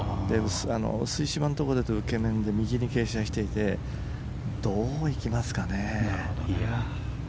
薄い芝のところだと受け面で右に傾斜していてどう行きますかね。